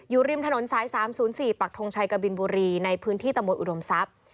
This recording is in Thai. อยู่ริมถนนซ้ายสามศูนย์สี่ปรักฏงชัยกระบินบุรีในพื้นที่ตะมดอุดมทรัพย์